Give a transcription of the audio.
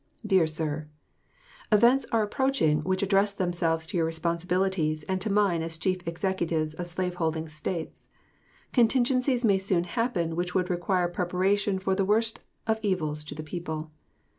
DEAR SIR: Events are approaching which address themselves to your responsibilities and to mine as chief Executives of slave holding States. Contingencies may soon happen which would require preparation for the worst of evils to the people.